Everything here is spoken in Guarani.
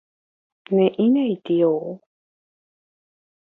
Ne'írãiti ou